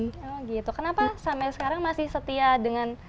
kenapa gitu kenapa sampai sekarang masih setia dengan